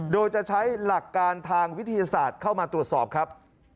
โดยจะใช้หลักการทางวิทยาศาสตร์เข้ามาตรวจสอบครับ